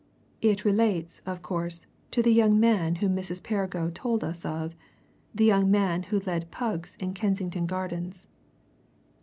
It relates, of course to the young man whom Mrs. Perrigo told us of the young man who led pugs in Kensington Gardens."